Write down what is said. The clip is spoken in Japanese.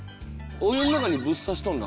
お湯の中にぶっ挿しとんの？